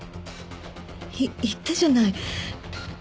い言ったじゃない。